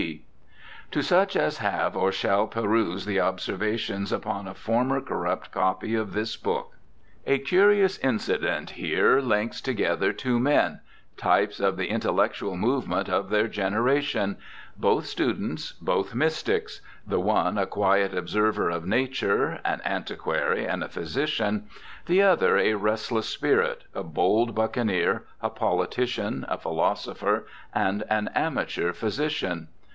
B.' ;' To such as have or shall peruse the observations upon a former corrupt copy of this Booke.' A curious incident here links together two men, types of the in tellectual movement of their generation — both students, both mystics— the one a quiet observer of nature, an antiquary, and a physician ; the other a restless spirit, a bold buccaneer, a politician, a philosopher, and an amateur physician.